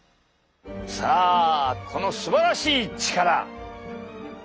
さあこのすばらしい力。